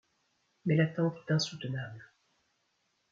Mais l'attente est insoutenable.